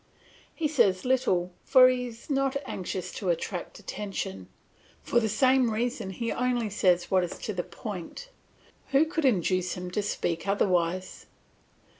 He says little, for he is not anxious to attract attention; for the same reason he only says what is to the point; who could induce him to speak otherwise?